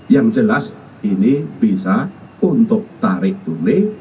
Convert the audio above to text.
yang jelas ini bisa untuk tarik tunai